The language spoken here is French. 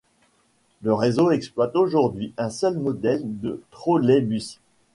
Le réseau exploite aujourd'hui un seul modèle de trolleybus.